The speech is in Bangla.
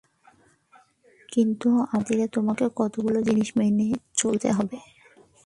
কিন্তু আমাদের খাতিরে তোমাকে কতকগুলো জিনিস মেনে চলতেই হবে।